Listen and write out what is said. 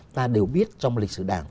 ta đều biết trong lịch sử đảng